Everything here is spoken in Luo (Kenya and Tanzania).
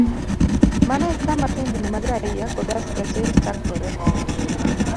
Mano e kama tungni mag raia kod askache chakoree.